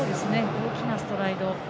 大きなストライド。